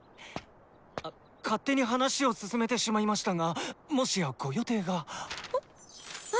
あ勝手に話を進めてしまいましたがもしやご予定が。え？